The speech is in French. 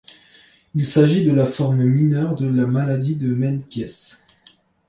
Il s’agit de la forme mineure de la maladie de Menkès.